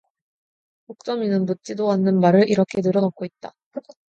옥점이는 묻지도 않는 말을 이렇게 늘어놓고 있다.